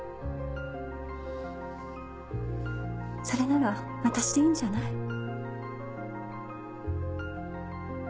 それなら私でいいんじゃない？